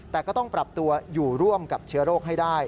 แต่ก็ต้องปรับตัวอยู่ร่วมกับเชื้อโรคให้ได้